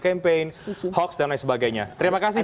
campaign hoax dan lain sebagainya terima kasih